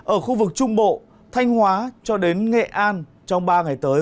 ở khu vực trung bộ thanh hóa cho đến nghệ an trong ba ngày tới